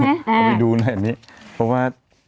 เอาไปดูหน่อยอันนี้เพราะว่า